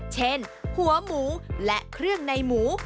หัวหมูและเครื่องในหมู